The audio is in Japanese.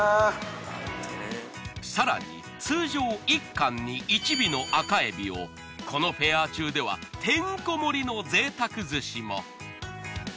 更に通常１貫に１尾の赤えびをこのフェア中ではてんこ盛りの贅沢寿司も。